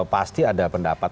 pasti ada pendapat